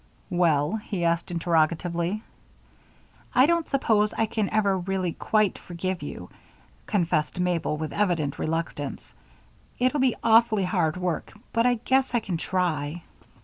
"Well?" he asked, interrogatively. "I don't suppose I can ever really quite forgive you," confessed Mabel, with evident reluctance. "It'll be awfully hard work, but I guess I can try."